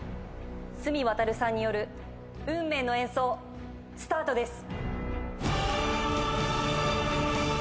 スミワタルさんによる運命の演奏スタートです。